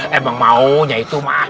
hah emang maunya itu ma